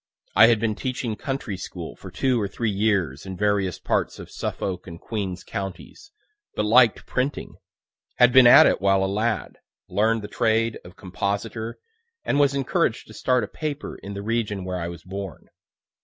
I had been teaching country school for two or three years in various parts of Suffolk and Queens counties, but liked printing; had been at it while a lad, learn'd the trade of compositor, and was encouraged to start a paper in the region where I was born.